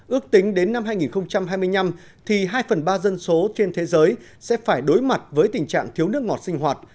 ước tính đến năm hai nghìn hai mươi năm thì hai phần ba dân số trên thế giới sẽ phải đối mặt với tình trạng thiếu nước ngọt sinh hoạt